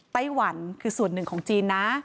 ไต้หวันคือส่วนหนึ่งของจีนนะ